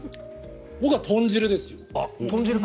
僕は豚汁ですよ。